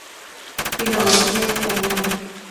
Filología italiana